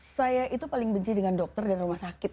saya itu paling benci dengan dokter dan rumah sakit